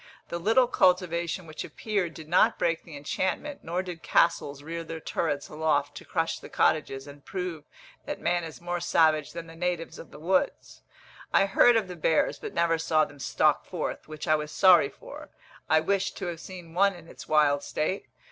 The little cultivation which appeared did not break the enchantment, nor did castles rear their turrets aloft to crush the cottages, and prove that man is more savage than the natives of the woods. I heard of the bears but never saw them stalk forth, which I was sorry for; I wished to have seen one in its wild state.